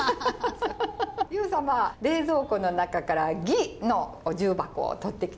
優様冷蔵庫の中から魏のお重箱を取ってきて頂けますか？